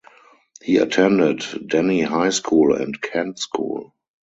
He attended Denny High School and Kent School.